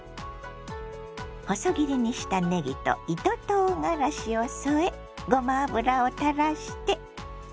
細切りにしたねぎと糸とうがらしを添えごま油をたらして。